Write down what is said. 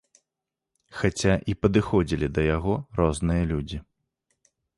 Хаця і падыходзілі да яго розныя людзі.